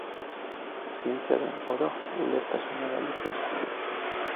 Zientzia den oro ulertezina balitz bezala.